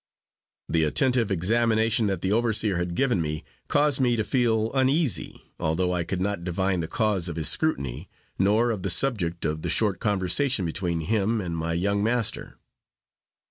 The attentive examination that the overseer had given me, caused me to feel uneasy, although I could not divine the cause of his scrutiny, nor of the subject of the short conversation between him and my young master.